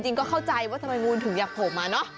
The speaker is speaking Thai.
ก็เข้าใจว่าทำไมงูถึงอยากโผล่มาเนอะ